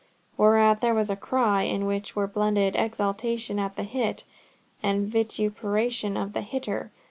Whereat there was a cry, in which were blended exultation at the hit, and vituperation of the hitter.